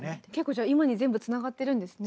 じゃあ今に全部つながってるんですね。